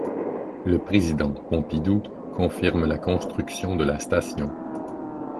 Le président Pompidou confirme la construction de la station.